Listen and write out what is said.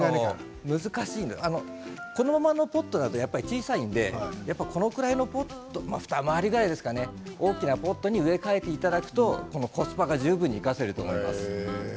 ポットのままだと小さいのでふた回りぐらいですかね、大きなポットに植え替えていただくとコスパが十分に生かせると思います。